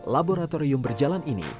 laboratorium berjalan ini